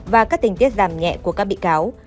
và các tình tiết giảm nhẹ của các bị cáo